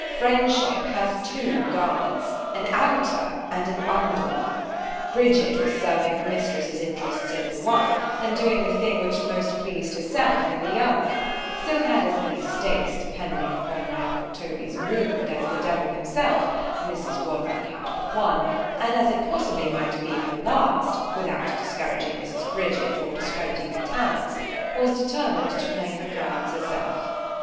Friendship has two garments; an outer and an under one. Bridget was serving her mistress's interests in the one—and doing the thing which most pleased herself in the other: so had as many stakes depending upon my uncle Toby's wound, as the Devil himself——Mrs. Wadman had but one—and as it possibly might be her last (without discouraging Mrs. Bridget, or discrediting her talents) was determined to play her cards herself.